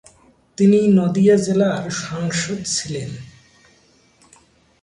তিনি নদিয়া জেলার সাংসদ ছিলেন।